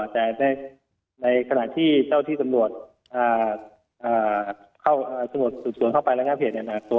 แต่ในขณะที่เจ้าที่สำรวจสวดสวนเข้าไปแล้ว